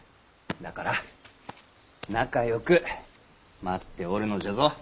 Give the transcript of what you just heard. だから仲よく待っておるのじゃぞ。